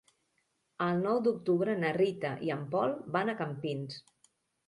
El nou d'octubre na Rita i en Pol van a Campins.